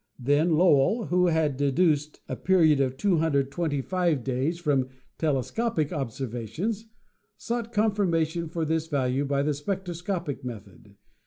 Then Lowell, who had deduced a period of 225 days from telescopic observations, sought confirmation for this value by the spectroscopic method.